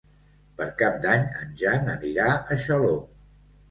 Per Cap d'Any en Jan anirà a Xaló.